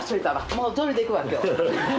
もう草履でいくわ今日。